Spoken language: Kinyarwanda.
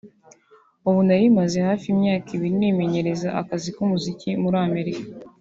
Ubu nari maze hafi imyaka ibiri nimenyereza akazi k'umuziki muri Amerika